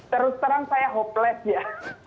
terus terang saya hopeless ya